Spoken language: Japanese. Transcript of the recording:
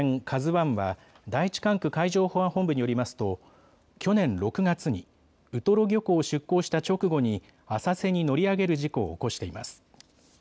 ＫＡＺＵわんは第１管区海上保安本部によりますと去年６月にウトロ漁港を出港した直後に浅瀬に乗り上げる事故を起こしています。